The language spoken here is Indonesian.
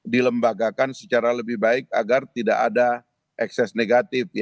dilembagakan secara lebih baik agar tidak ada ekses negatif